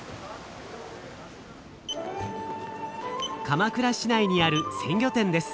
鎌倉市内にある鮮魚店です。